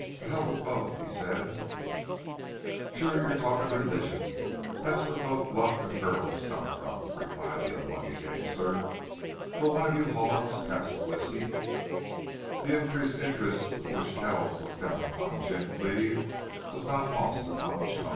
To hell with both!" he said. "Shore you're talkin' religion. Thet's where both luck an' gurls come from," replied the unlucky gamester. "Will one of you hawgs pass the whiskey?" The increased interest with which Kells looked down upon Jim Cleve was not lost upon Joan.